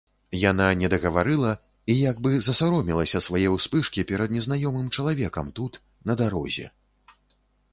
Яна недагаварыла і як бы засаромелася свае ўспышкі перад незнаёмым чалавекам тут, на дарозе.